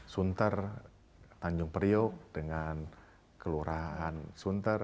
sunter tanjung priok dengan kelurahan sunter